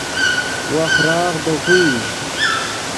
وخراغ دے کو ای